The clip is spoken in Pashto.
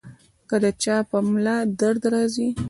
کۀ د چا پۀ ملا درد راځي -